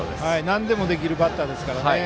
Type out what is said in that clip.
なんでもできるバッターですからね。